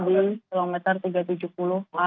di km tiga ratus tujuh puluh a